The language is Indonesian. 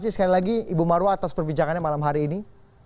ini bu marwah atas perbincangannya malam hari ini